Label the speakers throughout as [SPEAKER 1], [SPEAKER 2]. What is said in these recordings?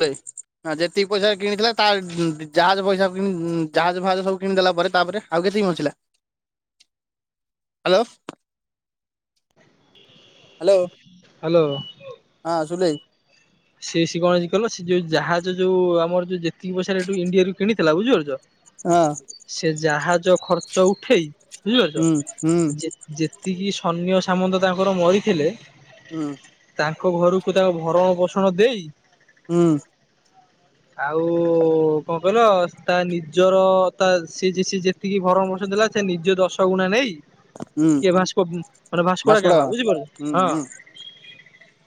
[SPEAKER 1] ଯେତିକି ପଇସା କିଣିଥିଲା ତା ଜାହାଜ ପଇସା ଜାହାଜ ଫାଜ ସବୁ କିଣିଦଲା ପରେ ତାପରେ ଆଉ କେତକି ବଞ୍ଚିଲା? Hello hello
[SPEAKER 2] hello.
[SPEAKER 1] ହଁ ସୁଲେଇ।
[SPEAKER 2] ସେି ସ କଣ କଲ ସେ ଯୋଉ ଜାହାଜ ଯୋଉ ଆମର ଯୋଉ ଯେତିକି ପଇସାରେ ଏୁ ଇଣ୍ଡିଆରୁ କିଣିଥିଲା ବୁଝିପାରୁଛ।
[SPEAKER 1] ହଁ
[SPEAKER 2] ସେ ଜାହାଜ ଖର୍ଚ୍ଚ ଉଠେଇ
[SPEAKER 1] ହୁଁ ହୁଁ
[SPEAKER 2] ବୁଝିପାରୁଛ ଯେତିକି ସନ୍ୟ ସାମନ୍ତ ତାଙ୍କର ମରିଥିଲେ।
[SPEAKER 1] ହୁଁ।
[SPEAKER 2] ତାଙ୍କ ଘରକୁ ତାଙ୍କ ଭରଣ ପୋ ଦେଇ
[SPEAKER 1] ହୁଁ।
[SPEAKER 2] ଆଉ କଣ କହିଲ ତା ନିଜର ତା ସେ ଯେତିକି ଦେଥିଲା ପୋଷଣ ସେ ନିଜ ଦଶ ଗୁଣା ନେଇ
[SPEAKER 1] ହୁଁ
[SPEAKER 2] କିଏ ଭାସ୍କ ମାନେ ଭାସ୍କୋଡା ଗାମା ବୁଝିପଛ
[SPEAKER 1] ହୁଁ
[SPEAKER 2] ହଁ
[SPEAKER 1] ହୁଁ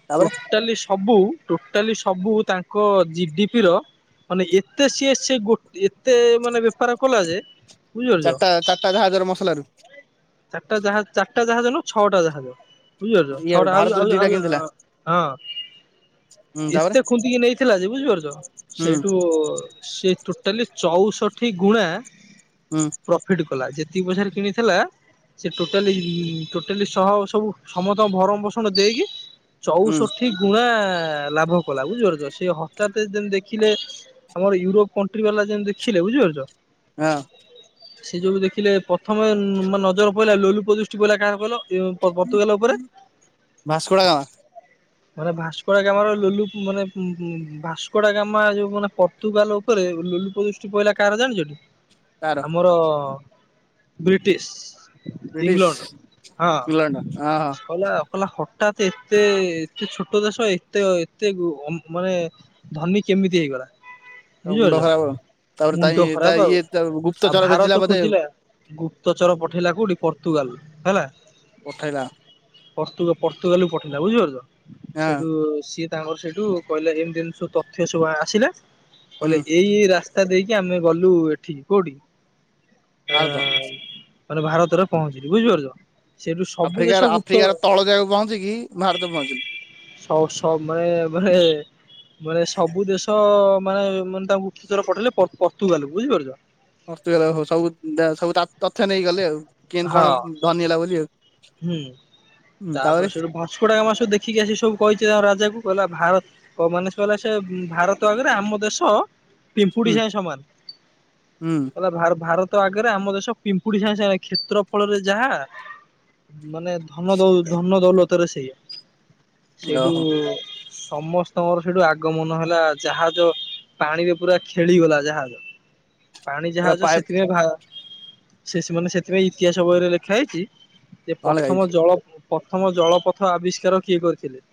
[SPEAKER 1] ତାପରେ
[SPEAKER 2] ଟୋଟାଲି ସବୁ। ଟୋଟାଲି ସବୁ ତାଙ୍କ ଜିଡି ପିର ମାନେ ଏତେ ସିଏ ସେ ଏତେ ମାନେ ବେପାର କଲା ଯେ ବୁଝିପାରୁଛ
[SPEAKER 1] ଚାରିଟା ଚାରିଟା ଜାହାଜର ମସଲାରୁ
[SPEAKER 2] ଚାରିଟା ଜାହାଜ ଚାରିଟା ଜାହାଜ ଛଅଟା ଜାହାଜ। ବୁଝିପାରୁଛ
[SPEAKER 1] ଇଏ
[SPEAKER 2] ଛଅଟା ଆଉ
[SPEAKER 1] ଭାରତରୁ
[SPEAKER 2] ଆଉ
[SPEAKER 1] ଦିଟା
[SPEAKER 2] ଆଉ
[SPEAKER 1] କିଣିଥିଲା
[SPEAKER 2] ହଁ
[SPEAKER 1] ହୁଁ ତାପରେ
[SPEAKER 2] ଏତେ ଖୁନ୍ଦିକି ନେଇଥିଲା ଯେ ବୁଝିପାରୁଛ
[SPEAKER 1] ହୁଁ
[SPEAKER 2] ସେଇଠୁ ସେ ଟୋଟାଲି ଚଉଷଠି ଗୁଣା
[SPEAKER 1] ହୁଁ
[SPEAKER 2] ପ୍ରୋଫିଟ କଲା ଯେ ତିକୀ ପଇସାରେ କିଣିଥିଲା ସେ ଟୋଟାଲି ଟୋଟାଲି ସହ ସବୁ ସମସ୍ତଙ୍କ ଭରଣ ପୋଷଣ ଦେଇକି
[SPEAKER 1] ହୁଁ
[SPEAKER 2] ଚଉଷଠି ଗୁଣା ଲାଭ କଲା ବୁଝିପାରୁଛ ସେ ହଠାତ ଯେମତି ଦେଖିଲେ ଆମର ୟୁରୋପ କଣ୍ଟ୍ରି ବାଲା ଯେମତି ଦେଖିଲେ ବୁଝିପାରୁଛ।
[SPEAKER 1] ହଁ।
[SPEAKER 2] ସେ ଯୋଉୁ ଦେଖିଲେ ପ୍ରଥମେ ନ ନଜର ପାଇଲା ଲୋଲୁପ ଦୃଷ୍ଟି ପିଇଲା କାହାର କହିଲ? ପର୍ତୁଗାଲ ଉପରେ
[SPEAKER 1] ଭାସ୍କୋଡା ଗାମା
[SPEAKER 2] ମାନେ ଭାସ୍କୋଡା ଗାମାର ଲୁଲୁ ମାନେ ଭାସ୍କୋଡା ଗାମା ଯୋଉ ମାନେ ପର୍ତ୍ତୁଗାଲ ଉପରେ ଲୋଲୁପ ଦୃଷ୍ଟି ପଇଲା କାହାର ଜାଣିଛଠି।
[SPEAKER 1] ତାର
[SPEAKER 2] ଆମର ବ୍ରିଟିଶ୍
[SPEAKER 1] ବ୍ରିଟିଶ
[SPEAKER 2] ଇଂଲଣ୍ଡ ହଁ
[SPEAKER 1] ଇଂଲଣ୍ଡ ହଁ
[SPEAKER 2] କଲା କଲା ହଠାତ୍ ଏତେ ଏତେ ଛୋଟ ଦେଶ ଏତେ ଏତେ ଉ ମାନେ ଧନୀ କେମିତି ହେଇଗଲା? ବୁଝିପାରୁଛ
[SPEAKER 1] ମୁଣ୍ଡ ଖରାପ ତାପରେ
[SPEAKER 2] ମୁଣ୍ଡ
[SPEAKER 1] ତା
[SPEAKER 2] ଖରାପ ଆଉ
[SPEAKER 1] ଇଏ ତା
[SPEAKER 2] ଆଉ
[SPEAKER 1] ଗୁପ୍ତଚର
[SPEAKER 2] ଭାରତ
[SPEAKER 1] ଭେଜିଲା ବୋଧେ।
[SPEAKER 2] ପର୍ତୁଗାଲ ହେଲା।
[SPEAKER 1] ପଠେଇଲା
[SPEAKER 2] ପର୍ତ ପର୍ତୁଗାଲ ପଠେଇଲା ବୁଝିପାରୁଛ?
[SPEAKER 1] ହଁ
[SPEAKER 2] ସେଇଠୁ ସିଏ ତାଙ୍କର ସେଇଠୁ କହିଲେ ଏମିତି ଏମତି ସବୁ ତଥ୍ୟ ସବୁ ଆସିଲା। କହିଲେ
[SPEAKER 1] ହୁଁ
[SPEAKER 2] ଏଇ ଏଇ ରାସ୍ତା ତା ଦେଇକି ଆମେ ଗଲୁ ଏଠିକି କୋଉଠି? ଆ
[SPEAKER 1] ଭାରତ
[SPEAKER 2] ମାନେ ଭାରତରେ ପହଞ୍ଚିଲୁ। ବୁଝିପାରୁଛ? ସେଇଠୁ ସବୁ
[SPEAKER 1] ଆଫ୍ରିକାର
[SPEAKER 2] ଦେଶ ଗୁପ୍ତ
[SPEAKER 1] ଆଫ୍ରିକାର ତଳ ଯାଗାକୁ ପହଞ୍ଚିକି ଭାରତ ପହଞ୍ଚିଲେ।
[SPEAKER 2] ସ ମାନେ ମାନେ ମାନେ ସବୁ ଦେଶ। ମାନେ ମାନେ ତାଙ୍କୁ ଗୁପ୍ତଚର ପଠେଇଲେ ପର୍ତ୍ତୁଗାଲ କୁ ବୁଝିପାରୁଛ।
[SPEAKER 1] ସବୁ ସବୁ ତଥ୍ୟ ନେଇ ଗଲେ ଆଉ। କେମିତି
[SPEAKER 2] ହଁ
[SPEAKER 1] କଣ ଧନୀ ହେଲା ବୋଲି ଆଉ।
[SPEAKER 2] ହୁଁ ତାପରେ ସେଠୁ ଭାସ୍କୋଡା ଗାମା ସବୁ ଦେଖିକି ଆସି ସବୁ କହିଛି ତା ରାଜା କୁ କହିଲା ଭାରତ କ ମାନ ସେ କଲେ ସେ ଭାରତ ଆଗରେ ଆମ ଦେଶ ପିମ୍ପୁଡ଼ି
[SPEAKER 1] ହୁଁ
[SPEAKER 2] ସାଙ୍ଗେ ସମାନ
[SPEAKER 1] ହୁଁ
[SPEAKER 2] ଭ ଭାରତ ତ ଆଗରେ ଆମ ଦେଶ ପିମ୍ପୁଡି ସା କ୍ଷେତ୍ର ଫଳରେ ଯାହା ମାନେ ଧନ ଦ ଧନ ଦୌଲତରେ ସେଇଆ। ସେଇଠୁ
[SPEAKER 1] ଓହୋ
[SPEAKER 2] ସମସ୍ତଙ୍କର ସେଇଠୁ ଆଗମନ ହେଲା ଜାହାଜ ପାଣିରେ ପୁରା ଖେଳିଗଲା ଜାହାଜ। ପାଣି
[SPEAKER 1] ପୁରା
[SPEAKER 2] ଯାହାଜ
[SPEAKER 1] ପାଏ
[SPEAKER 2] ସେଥିପାଇଁ ଭା ସେ ସେ ମାନେ ସେ ଏବେ ଇତିହାସ ବରେ ଲେଖା ହେଇଛି ସେ
[SPEAKER 1] ଭଲ ଗାଇଛି
[SPEAKER 2] ପ୍ରଥମ ଜଳ ପ୍ରଥମ ଜଳପଥ ଆବିଷ୍କାର କିଏ କରିଥିଲେ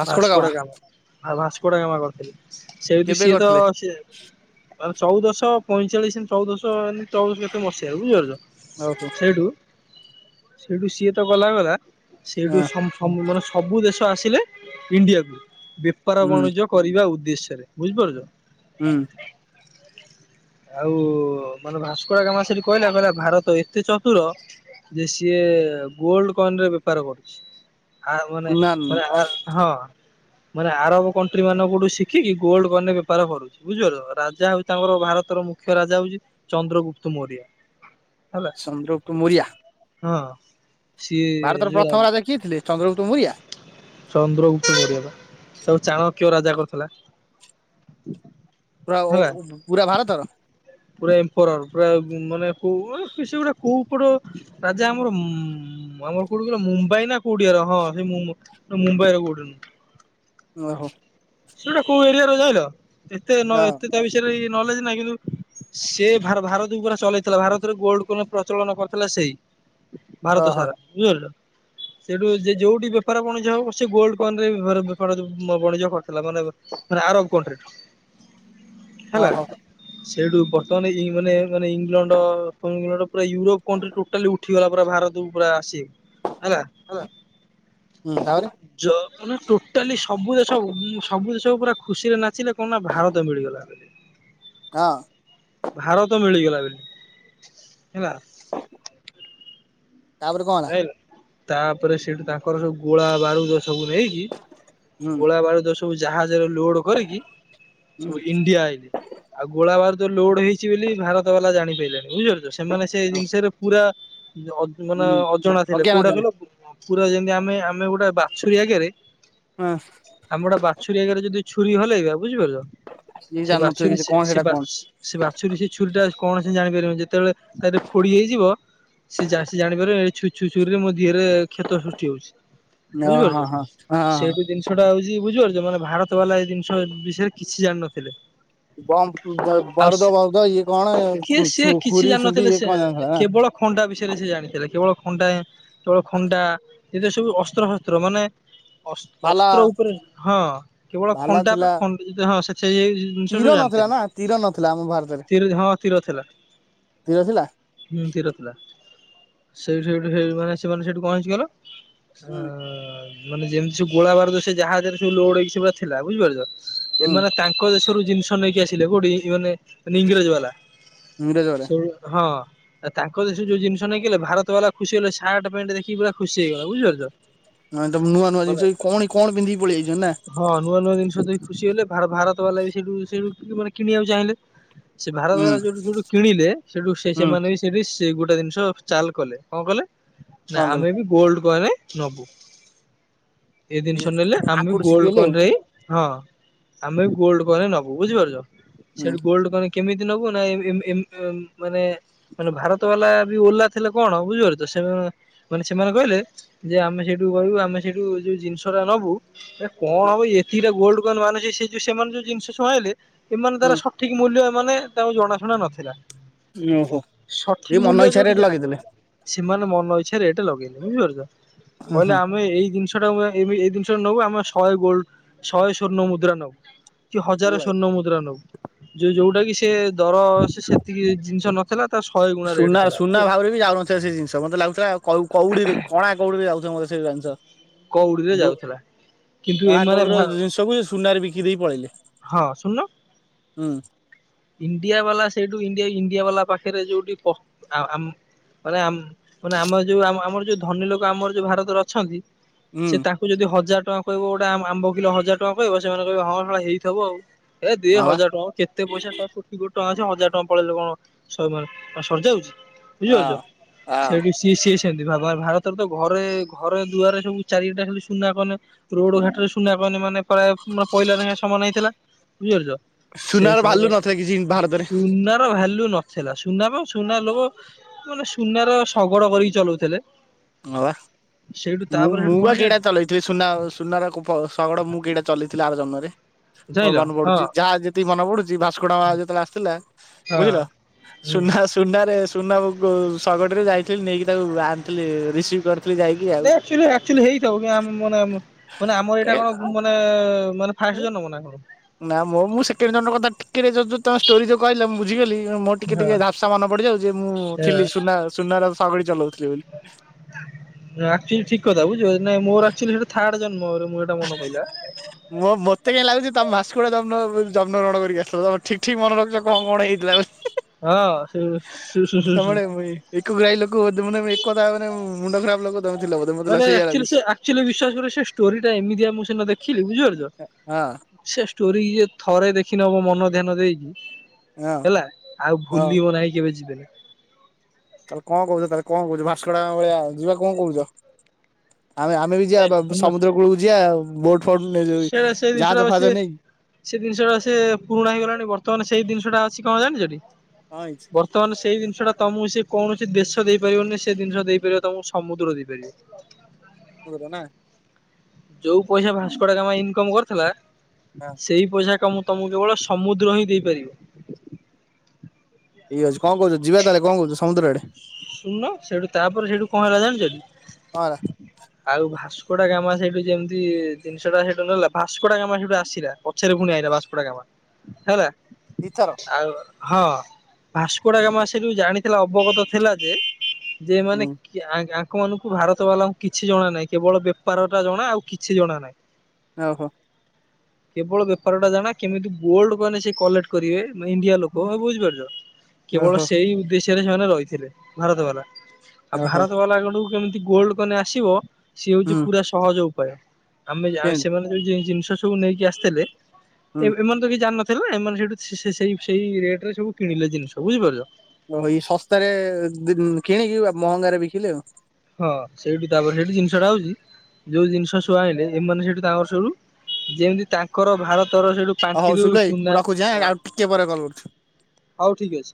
[SPEAKER 1] ପାସ୍କୋଡ଼
[SPEAKER 2] ଭାସ୍କୋଡା
[SPEAKER 1] କାମ
[SPEAKER 2] ଗାମା। ଆଉ ମାସ କଟା ଜମା କରିଥିଲି ସେ ଦଷି ତ
[SPEAKER 1] କରିଥିଲେ?
[SPEAKER 2] ସେ ଚଉଦଶ ପଇଁଚାଳିଶ ଏ ଚଉଦଶ ଏି ଚଉଦଶ କେତେ ବସେଇଲା ବୁଝିପାରୁଛ
[SPEAKER 1] ଓହୋ
[SPEAKER 2] ସେଇୁ ସେଇଠୁ ସିଏ ତ ଗଲା ଗଲା ସେଇଠୁ
[SPEAKER 1] ହଁ
[SPEAKER 2] ମାନେ ସବୁ ଦେଶ ଆସିଲେ ଇଣ୍ଡିଆକୁ ବେପାର
[SPEAKER 1] ହୁଁ
[SPEAKER 2] ବାଣିଜ୍ୟ କରିବା ଉଦ ଦେଶ ରେ ବୁଝିପାରୁଛ
[SPEAKER 1] ହୁଁ
[SPEAKER 2] ଆଉ ମାନେ ଭାସ୍କର ଗାମ ସେଠି କହିଲା କହିଲା ଭାରତ ତ ଏତେ ଚତୁର ଯେ ସିଏ ଗୋଲଡ କଏନରେ ବେପାର କରୁଛି ଆ ମାନେ
[SPEAKER 1] ସୁନାନ
[SPEAKER 2] ହଁ ମାନେ ଆରବ କଣ୍ଟ୍ରି ମାନଙ୍କଠୁ ଶିଖିକି ଗୋଲଡ ଗନେ ବେପାର କରୁଛି ବୁଝିପାରୁଛ ରାଜା ହଉଛି ତାଙ୍କର ଭାରତର ମୁଖ୍ୟ ରାଜା ହଉଛି ଚନ୍ଦ୍ରଗୁପ୍ତ ମୋରିଆ
[SPEAKER 1] ସନ୍ଦ୍ରପ ଟୁମରିଆ
[SPEAKER 2] ହଁ ସିଏ
[SPEAKER 1] ଭାରତର
[SPEAKER 2] ଯୋଉ ରାଜ
[SPEAKER 1] ପ୍ରଥମ ରାଜା କିଏ ଥିଲେ ଚନ୍ଦ୍ରଗୁପ୍ତ ମରିଆ
[SPEAKER 2] ଚନ୍ଦ୍ରଗୁତ କରି ତାକୁ ଚାଣ କିଉ ରାଜା କରୁଥିଲା
[SPEAKER 1] ପୁରା ଓ
[SPEAKER 2] ହେଲା
[SPEAKER 1] ପୁରା ଭାରତର
[SPEAKER 2] ପା ପୁରା ମାନେ ହଉ ସେଗୁଟା କୋଉ କୋଡ ରାଜା ଆମର ଆମର କୋଉଠି ଗିଲ ମୁମ୍ବାଇ ନା କୋଉଠିଆର ହଁ ସେ ମୁମ୍ବାଇ ର କୋଉଠିୁଁ
[SPEAKER 1] ଓହୋ
[SPEAKER 2] ସେଇଟା କୋଉ ଏରିଆରେ ଯାଇଲ ଏତେ ନ
[SPEAKER 1] ହଁ
[SPEAKER 2] ଏତେ ତା ବିଷୟରେ ନଲେଜ ନହିଁ କିନ୍ତୁ ସେ ଭାରତ ଉପରେ ଚଲେଇଥିଲା ଭାରତରେ ଗୋଲଡ କ ପ୍ରଚଳନ କରିଥିଲା ସେଇ ଭାରତ
[SPEAKER 1] ଓହୋ
[SPEAKER 2] ସାରା ବୁଝିପାରିଲ ସେଇଠୁ ଯେ ଯୋଉଠି ବେପାର ବଣିଜ ହବ ସେ ଗୋଲଡ କନ ରେ ବେପାର ବଣିଜ ମାନେ ମାନେ ଆରବ କଟ୍ରି
[SPEAKER 1] ହ ହୋ
[SPEAKER 2] ସେଇଠୁ ବର୍ତ୍ତମାନ ମାନେ ମାନେ ଇଂଲଣ୍ଡ ପୁରା ୟୁରୋପ କଣ୍ଟି ଟୋଟାଲି ଉଠିଗଲା ପୁରା ଭାରତକୁ ପୁରା ଆସିବେ
[SPEAKER 1] ହେଲା ହଁ ଆରି
[SPEAKER 2] ମାନ ଟୋଟାଲି ସବୁ ଦେଶ ସବୁ ଦେଶ ପୁରା ଖୁସିରେ ନାଚିଲେ କଣ ନା ଭାରତ ମିଳିଗଲା।
[SPEAKER 1] ହଁ
[SPEAKER 2] ଭାରତ ମିଳିଗଲା ବୋଲି। ହେଲା।
[SPEAKER 1] ତାପରେ କଣ ହେଲା?
[SPEAKER 2] ଯାଇଁଲ ତାପରେ ସେଠି ତାଙ୍କର ସବୁ ଗୋଳା ବାରୁ ସବୁ ନେଇକି
[SPEAKER 1] ହୁଁ
[SPEAKER 2] ଗୋଳା ବାରୁଦ ଯାହା ଲୋଡ କରି ସ
[SPEAKER 1] ହୁଁ
[SPEAKER 2] ଇଣ୍ଡିଆ ଆଇଲେ ଆଉ ଗୋଳା ବା ଲୋଡ ହେଇଛି ବୋଲି ଭାରତ ବାଲା ଜାଣି ପାରିଲାଣି ବୁଝିପାରିଲ ତ ସେମାନେ ସେଇ ଜିନିଷରେ ପୁରା ଅ
[SPEAKER 1] ହୁଁ
[SPEAKER 2] ଅଜଣା ଥିଲେ କୋଉଟା କହିଲ? ପୁରା ଯେମିତି ଆମେ ଆମେ ଗୋଟେ ବାଛୁରୀ ଆଗରେ
[SPEAKER 1] ହଁ
[SPEAKER 2] ଆମର ଗୋଟେ ବାଛ ଛୁରୀ ଆଗରେ ଯଦି ଛୁରୀ ହଲେଇବ ଆଉ। ବୁଝିପାରୁଛ
[SPEAKER 1] ଇଏ
[SPEAKER 2] ସେ
[SPEAKER 1] ଜାଣିନଥିବେ
[SPEAKER 2] ବାଛୁରୀ
[SPEAKER 1] କିଛି କଣ ସେଇଟା କଣ
[SPEAKER 2] ସେ ବାଛୁରୀ ସେ ଛୁରୀଟା କଣ ସି ଜାଣିପାରିବନି ଯେତେବେଳେ ତାରେ ଫୋଡ଼ି ହେଇଯିବ ସେ ଜାଣିପାର ଏ ଛୁ ଛୁଛୁରି ରେ ମୋ ଦେହରେ କ୍ଷତ ସୃଷ୍ଟି ହଉଛି।
[SPEAKER 1] ହଁ ହଁ
[SPEAKER 2] ବୁଝିପାରୁଛ
[SPEAKER 1] ହଁ ହଁ ହଁ।
[SPEAKER 2] ସେଇଠୁ ଜିନିଷଟା ହଉଛି ବୁଝିପାରୁଛ। ମାନେ ଭାରତ ବାଲା ଏଇ ଜିନିଷ ବିଷୟରେ କିଛି ଜାଣିନଥିଲେ।
[SPEAKER 1] ବମ
[SPEAKER 2] ଆଉ
[SPEAKER 1] ବାରଦ
[SPEAKER 2] ସେ
[SPEAKER 1] ବାରଦ ଏ କଣ
[SPEAKER 2] କିଏ ସିଏ କିଛି
[SPEAKER 1] ଖୁୁର ଛୁଡି
[SPEAKER 2] ଜାଣିନଥିଲେ
[SPEAKER 1] ଇ
[SPEAKER 2] ସେ
[SPEAKER 1] କଣ ଜଣଥିଲା ନା।
[SPEAKER 2] କେବଳ ଖଣ୍ଡା ବିଷୟରେ ସେ ଜାଣିଥିଲେ କେବଳ ଖଣ୍ଡା କେବଳ ଖଣ୍ଡା ଏତ ସବୁ ଅସ୍ତ୍ର ଶସ୍ତ୍ର ମାନେ ଅ
[SPEAKER 1] ଭାଲା
[SPEAKER 2] ଅସ୍ତ୍ର ଉପରେ ହଁ କେବଳ
[SPEAKER 1] ଭାଲା
[SPEAKER 2] ଖଣ୍ଡା ବା
[SPEAKER 1] ଥିଲା
[SPEAKER 2] ଖ ହଁ ସେ ସେ
[SPEAKER 1] ତୀର
[SPEAKER 2] ଜିନିଷଠୁ
[SPEAKER 1] ନଥିଲା
[SPEAKER 2] ଜାଣିଥିଲି।
[SPEAKER 1] ନା ତୀର ନଥିଲା ଆମ ଭାରତରେ
[SPEAKER 2] ହଁ ତୀର ଥିଲା
[SPEAKER 1] ତୀର ଥିଲା।
[SPEAKER 2] ହୁଁ ତୀର ଥିଲା। ସେଇଠୁ ସେଇଠୁ ସେ ମାନେ ସେମାନେ ସେଇଠୁ କଣ ହେଇଚି କହିଲ।
[SPEAKER 1] ହୁଁ
[SPEAKER 2] ହଁ। ମାନେ ଯେମିତି ସବ ଗୋଳା ବାରଦ ସେ ଜାହାଜରେ ସବୁ ଲଉଡେଇକି ସବୁ ଥିଲା ବୁଝିପାରୁଛ।
[SPEAKER 1] ହୁଁ
[SPEAKER 2] ଏମାନେ ତାଙ୍କ ଦେଶରୁ ଜିନିଷ ନେଇକି ଆସିଲେ କୋଉଠୀ ମାନେ ଇଂରେଜ ବାଲା
[SPEAKER 1] ଇଂରେଜ ବେଳେ
[SPEAKER 2] ସେ ହଁ। ଆ ତାଙ୍କ ଦେଶ ଯୋଉ ଜିନିଷ ନାଇଁଲେ ଭାରତ ତ ଖୁସି ହେଲେ ସାର୍ଟ ପ୍ୟାଣ୍ଟ ଦେଖି କି ପା ଖୁସି ହେଇଗଲା ବୁଝିପାରୁଛ
[SPEAKER 1] ମାନେ ତମେ ନୂଆ ନୂଆ
[SPEAKER 2] ମାନ
[SPEAKER 1] ଜିନିଷ କଣ କଣ ପିନ୍ଧିକି ପଳେଇ ଆଇଛନ୍ତି ନା
[SPEAKER 2] ହଁ ନୂଆ ନୂଆ ଜିନିଷ ଖୁସି ହେଲେ ଭାରତ ବାଲା ବି ସେଠୁ ସେଇଠୁ ମାନେ କିଣିବାକୁ ଚାହିଁଲେ ସେ ଭାରତ
[SPEAKER 1] ହୁଁ
[SPEAKER 2] ଦଵାରା ଯୋଠୁ ଯୋଠୁ କିଣିଲେ ସେଠୁ ସେ
[SPEAKER 1] ହୁଁ
[SPEAKER 2] ସେମାନେ ବି ସେ ସେଇ ଗୋଟା ଜିନିଷ ଚାଲ କଲେ କଣ କହିଲେ ନା
[SPEAKER 1] କଣ କଲେ
[SPEAKER 2] ଆମେ ବି ଗୋଲ୍ଡ କହଲେେ ନବୁ ଏଇ ଜିନିଷ ନେଲେ ଆମେ ବି
[SPEAKER 1] ଆକୁଠୁ
[SPEAKER 2] ଗୋଲଡ
[SPEAKER 1] ଶିଖିଗଲେ
[SPEAKER 2] କନ ରେ ହ ହଁ ଆମେ ଗୋଲଡ କ ନବୁ ବୁଝିପାରୁଛ
[SPEAKER 1] ହୁଁ
[SPEAKER 2] ସେଠୁ ଗୋଲଡ କ କେମିତି ନବୁ ନା ମାନେ ମାନେ ଭାରତ ବାଲା ବି ଓହଲା ଥିଲେ କଣ ଆଉ ବୁଝିପାର ତ ସେମାନେ ମାନେ ସେମାନେ କହିଲେ ଯେ ଆମେ ସେଇଠୁ କହିବୁ ଆମେ ସେଇଠୁ ଯୋଉ ଜିନିଷଟା ନବୁ ଏ କଣ ହବ ଏତିକିଟା ଗୋଲଡ କନ ମାନୁଛି ସେ ଯଉ ସେମାନେ ଯୋଉ ଜିନିଷ ଶୁଣଇଲେ ଏମାନ ଦ୍ାରା
[SPEAKER 1] ହୁଁ
[SPEAKER 2] ସବଠିକ ମୂଲ୍ୟ ମାନେ ତାକୁ ଜଣାଶୁଣା ନଥିଲା
[SPEAKER 1] ଓହୋ
[SPEAKER 2] ସଠିକ
[SPEAKER 1] ଏ
[SPEAKER 2] ମୂଲ୍ୟ
[SPEAKER 1] ମନ
[SPEAKER 2] ଯୋଉଠି
[SPEAKER 1] ଇଚଛାରେ ଏ ଲଗେଇଥିଲେ
[SPEAKER 2] ସେମାନେ ମନ ଇଚ୍ଛାରେ ଏଟା ଲଗେଇନି ବୁଝିପାରୁଛ
[SPEAKER 1] ହୁଁ
[SPEAKER 2] କଲେ
[SPEAKER 1] ହୁଁ।
[SPEAKER 2] ଆମେ ଏଇ ଜିନିଷ ସୋ ଏ ଏଇ ଜିନିଷ ନେୁ ଆେ ଶହେ ଗୋଲ ଶହେ ଶୂର୍ଣ ମୁଦ୍ରା ନବୁ କି ହଜାର ଶଵର୍ଣ୍ଣ ମୁଦ୍ରା ନବ ଯୋଉ ଯୋଉଟା କି ସେ ଦର ସେ ସେତିକି ଜିନିଷ ନଥିଲା ତା ଶହେ ଗୁଣା ରେଟ୍
[SPEAKER 1] ସୁନା
[SPEAKER 2] ଥିଲା
[SPEAKER 1] ସୁନା
[SPEAKER 2] ବୁଝିଲ।
[SPEAKER 1] ଭାବରେ ବି ଯାଉନ ସେ ଜିନିଷ ମତେ ଲାଗୁଥିଲା କଉଡିିରେ କଣା କଉଡିିରେ ଯାଉ ମତେ ସେ ଜିଷ
[SPEAKER 2] କଉଡିରେ ଯାଉଥିଲା କିନ୍ତୁ
[SPEAKER 1] କଣା କଉଡିର
[SPEAKER 2] ଏମାନେ
[SPEAKER 1] ଜିନିଷକୁ ସୁନାରେ ବିକି ଦେଇ ପଳେଇଲେ
[SPEAKER 2] ହଁ ଶୁଣନ
[SPEAKER 1] ହୁଁ
[SPEAKER 2] ଇଣ୍ଡିଆ ବାଲା ସେଇଠୁ ଣ୍ଡି ଇଣ୍ଡିଆ ବାଲା ପାଖରେ ଯୋଉଠି ମାନେ ମାନେ ଆମ ଯୋଉ ଆମର ଯୋଉ ଧନୀ ଲୋକ ଆମର ଯୋଉ ଭାରତରେ ଅଛନ୍ତି
[SPEAKER 1] ହୁଁ
[SPEAKER 2] ସେ ତାଙ୍କୁ ଯଦି ହଜାର ଟଙ୍କା କହିବ ଗୋଟେ ଆମ୍ବ କିଲୋ ହଜାର ଟଙ୍କା କହିବ ସେମାନେ କହିବ ହ ହେଇଥିବ ଆଉ ଏ ଦି
[SPEAKER 1] ହଁ ବା।
[SPEAKER 2] ହଜାର ଟଙ୍କା କେତେ ପଇସା ିବ ଟଙ୍କା ଅଛି ହଜାର ଟଙ୍କା ପଳେଇଲେ କଣ ସରିଯା ଯାଉଛି
[SPEAKER 1] ହଁ
[SPEAKER 2] ବୁଝିପାରୁଛ
[SPEAKER 1] ହଁ।
[SPEAKER 2] ସେଠୁ ସିଏ ସିଏ େ ଭାରତରେ ତ ଘରେ ଘରେ ଦୁଆରେ ସବୁ ଚାରିଟା ଖ ସୁନା କହନେ ରୋଡ ଘାଟରେ ସୁନା କନେ ମାନେ ପ୍ରାୟ ମାନେ ପହିଲ ଲୋ ସମାନ ହେଇଥିଲା ବୁଝିପାରୁଛ ସେ
[SPEAKER 1] ସୁନାର ଭାଲୁ
[SPEAKER 2] ସେମାନେ
[SPEAKER 1] ନଥିଲା କିଛି ଭାରତରେ
[SPEAKER 2] ସୁନ ର ଭାଲ୍ୟୁ ନ ହେଲା ସୁନା ସୁନା ଲୋକ ମାନେ ସୁନାର ଶଗଡ କରିକି ଚଲଉଥେଲେ।
[SPEAKER 1] ହ ବା ମୁଁ ମୁଁ
[SPEAKER 2] କଣ
[SPEAKER 1] ବା
[SPEAKER 2] ଜାଣିଛ
[SPEAKER 1] କିଟା ଚଲେଇଥିଲି ସୁନା ସୁନାର ଶଗଡ ମୁଁ କିଟା ଚଲେଇଥିଲି ଆର ଜନ୍ମରେ। ମୋର
[SPEAKER 2] ଜାଣିଲ
[SPEAKER 1] ମନେ
[SPEAKER 2] ହଁ
[SPEAKER 1] ପଡୁଛି ଯାହା ଯେତିକି ମନେ ପଡୁଛି ଭାସ୍କୋଡାଗାମା ଯେତେବେଳେ ଆସିଥିଲା
[SPEAKER 2] ହଁ
[SPEAKER 1] ବୁଝିଲ
[SPEAKER 2] ହୁଁ
[SPEAKER 1] ସୁନା ସୁନାରେ ଚୁନାବ ଶଗଡ଼ ରେ ଯାଇଥିଲି ନେଇକି ତାକୁ ଆଣିଥିଲି। ରିସିଭ୍ କର
[SPEAKER 2] ୁଚୁଆ ହେଇଥାଉ କି ମାନେ ଆମର ଏଇଟା କଣ ମାନେ ମାନେ ଫାଇଶ ଜ ନବନା ଆବ [inaudible]
[SPEAKER 1] ନା ମୋ ମୁଁ ସେକେଣ୍ଡ ଜଣ୍ଡଙ୍କ କଥାିକେ ରେ ଯ ତମ ୋରି ଯୋଉ କହିଲା ମୁଁବୁଝିଗଲି ୁ ମୋର ଟିକେ
[SPEAKER 2] ହଁ
[SPEAKER 1] ଟିକେ ଧାପସା ମନ ପଡିଯାଉ ଯେ ମୁଁ ଥିଲ ସୁନା ସୁନାର ସଗଡି ଚଲଉ।
[SPEAKER 2] ଆକଚୁଆଲି ଠିକ କଥା ବୁଝ ମୋର ଆକଚୁଆଲି ଏଇଟା ଥାର୍ଡ ଜନ୍ମରୁ
[SPEAKER 1] ମ ମତେ କିଆଁ ଲାଗୁଛି ତମେ ଭାସ୍କୋଡାଗାମା ଜଣ ଗଣନା କରିକି ଆସିଥିଲ ତମ ଠିକ ଠିକ ମନେ ରଖଛ କଣ ହେଇଥିଲା।
[SPEAKER 2] ହଁ
[SPEAKER 1] ତମ
[SPEAKER 2] ସେ
[SPEAKER 1] ଭାଇ ଏକ ଗ୍ରାଇ ଲୋକେ ମ ଏକଥା ମାନେ [unintelligible] ମୁଣ୍ଡ ଖରାପ ଲୋକ ଥିଲ ବୋଧେ ମତେ
[SPEAKER 2] ମାନେ
[SPEAKER 1] ସେଇଆ
[SPEAKER 2] ଆକଚୁଆଲି
[SPEAKER 1] ଲାଗୁଛି।
[SPEAKER 2] ସେ ଆକଚୁଆଲି ବିଶ୍ୱାସ କରିବ ସେ ଷ୍ଟୋରୀ ସେ ଏମିତିଆ ମୁଁ ସିନା ଦେଖିଲି ବୁଝିପାରୁଛ
[SPEAKER 1] ହଁ
[SPEAKER 2] ସେ ଷ୍ଟୋରି ଇଏ ଥରେ ଦେଖିନବ ମନ ଧ୍ୟାନ ଦେଇ
[SPEAKER 1] ହଁ
[SPEAKER 2] ହେଲା ଆଉ
[SPEAKER 1] ହଁ
[SPEAKER 2] ଭୁଲିବନାଇ କେବେ ଯିବେନେ
[SPEAKER 1] ତାହେଲେ କଣ କହୁଛ ତାହେଲେ କଣ କହୁଛ ଭାସ୍କୋଡାଗାମା ଭଳିଆ ଯିବା କଣ କହୁଛ। ଆମେ ଆମେ ବି ଯିବା ସମୁଦ୍ର କୂଳକୁ ଯିବା ବୋଟ ଫୋଟ ଯୋଉ
[SPEAKER 2] ସେଇଟା ସେଇ
[SPEAKER 1] ଜାହାଜ
[SPEAKER 2] ଜିନିଷଟା
[SPEAKER 1] ଫାହାଜ
[SPEAKER 2] ସେ
[SPEAKER 1] ନେଇକି
[SPEAKER 2] ସେ ଜିନିଷଟା ସେ ପୁରୁଣା ହେଇଗଲାଣି ବର୍ତ୍ତମାନ ସେଇ ଜିନିଷଟା ଛି କଣ ହଁ ଜାଣିଚଟି।
[SPEAKER 1] କଣ ହେଇଛି
[SPEAKER 2] ବର୍ତ୍ତମାନ ସେଇ ଜିନିଷ ଟା ତମକୁ ସେ କୌଣସି ଦେଶ ଦେଇପାରିବନି ସେ ଜିନିଷ ଦେଇପାରିବ ତମକୁ ସମୁଦ୍ର ଦେଇପାରିବ।
[SPEAKER 1] ମୁ ର ନା [inaudible]
[SPEAKER 2] ଯୋଉ ପଇସା ଭାସ୍କୋଡାଗାମା ଇନକମ କରିଥିଲା ସେଇ ପଇସା କାମ ତମକୁ କେବଳ ସମୁଦ୍ର ହିଁ ଦେଇପାରିବ।
[SPEAKER 1] ଇଏ ଅଛି କଣ କହୁଛ ଯିବା ତାହେଲେ କଣ କହୁଛ ସମୁଦ୍ର ଆଡ଼େ।
[SPEAKER 2] ଶୁଣୁନ ସେଇଠୁ ତାପରେ ସେଇଠୁ କଣ ହେଲା ଜାଣିଛନ୍ତି
[SPEAKER 1] ହଁ
[SPEAKER 2] ଆଉ ଭାସ ଡୋଗାମା ସେଇଠୁ ଯେମିତି ଜିନିଷ ଟା ସେଠୁ ନେଲା ଭାସ୍କୋଡୋଗାମା ସେଇଠୁ ଆସିଲା ପଛରେ ଫୁଣି ଆଇିଲା ଭାସ୍କୋଡୋଗାମା ହେଲା।
[SPEAKER 1] ଦିଥର।
[SPEAKER 2] ଆଉ ହଁ ଭାସ୍କୋଡୋଗାମା ସେଇଠୁ ଜାଣିଥିଲା ଅବଗତ ଥିଲା ଯେ ଯେ ମାନେ।
[SPEAKER 1] ହୁଁ
[SPEAKER 2] [inaudible] ଲୋକମାନଙ୍କୁ ଭାରତ ବାଲାଙ୍କୁ କିଛି ଜଣା ନାହିଁ କେବଳ ବେପାର ଟା ଜଣା ଆଉ କିଛି ଜଣା ନାହିଁ।
[SPEAKER 1] ଓ ହୋ।
[SPEAKER 2] କେବଳ ବେପାର ଟା ଜାଣା କେମିତି ଗୋଲଡ଼ କଏନ ସେ କଲେକ୍ଟ କରିବେ ଇଣ୍ଡିଆ ଲୋକ ବୁଝିପାରୁଛ। କେବଳ
[SPEAKER 1] ଓହୋ
[SPEAKER 2] ସେଇ ଉଦ୍ଦେଶ୍ୟ ସେରେ ସେମାନେ ରହିଥିଲେ। ଭାରତ ବାଲା। ଆଉ
[SPEAKER 1] ଓହୋ
[SPEAKER 2] ଭାରତ ବାଲାଙ୍କା ଠୁ କେମି ଗୋଲଡ କଏନ ଆସିବ ସିଏ ହଉଛି
[SPEAKER 1] ହୁଁ
[SPEAKER 2] ପୁରା ସହଯୋଗ ଉପାୟ। ଆମେ [inaudible]
[SPEAKER 1] କେମିତି
[SPEAKER 2] ସେମାନେ ଯୋଉ ଜି- ଜିନିଷ ସବୁ ନେଇକି ଆସିଥିଲେ
[SPEAKER 1] ହୁଁ।
[SPEAKER 2] ଏଁ ଏମାନେ ତ କିଛି ଜାଣିନଥିଲେ ଥିଲେ ଏମାନେ ସେଇଠୁ ସେ- ସେ ସେଇ ରେଟ ରେ ସବୁ କିଣିଲେ ଜିନିଷ ବୁଝିପାରୁଛ।
[SPEAKER 1] ହଁ ଏଇ ଶସ୍ତାରେ କିଣିକି ମହଙ୍ଗାରେ ବିକିଲେ ଆଉ।
[SPEAKER 2] ହଁ ସେଇଠୁ ତାପରେ ସେଇଠି ଜିନିଷଟା ହଉଛି ଯୋଉ ଜିନିଷ ସବୁ ଆଇଲେ ଏମାନେ ସେଇଠୁ ତାଙ୍କର ସୁରୁ ଯେମିତି ତାଙ୍କର ଭାରତ
[SPEAKER 1] ହଉ ସୁଲୁ ଭାଇ ମୁଁ ରଖୁଛିଁ ଆଃ ଆଉ ଟିକେ ପରେ କଲ କରୁଛୁ।
[SPEAKER 2] ହଉ ଠିକ ଅଛି।